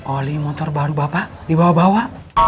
oli motor baru bapak dibawa bawa